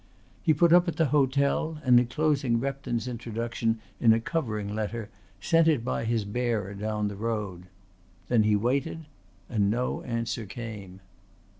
He put up at the hotel and enclosing Repton's introduction in a covering letter sent it by his bearer down the road. Then he waited; and no answer came.